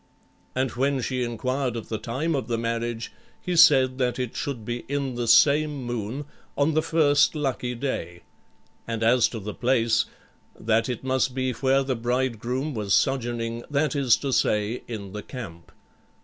And when she inquired of the time of the marriage, he said that it should be in the same moon, on the first lucky day; and as to the place, that it must be where the bridegroom was sojourning, that is to say, in the camp.